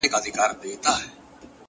o پر نوزادو ارمانونو؛ د سکروټو باران وينې؛